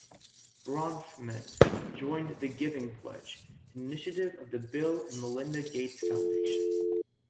Bronfman joined the Giving Pledge, an initiative of the Bill and Melinda Gates Foundation.